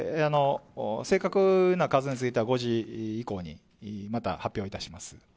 正確な数については、５時以降に、また発表いたします。